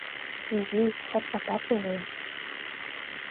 Изи, чатката пӧлем.